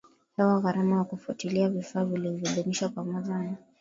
hewa Gharama ya kufuatilia vifaa vilivyoidhinishwa pamoja na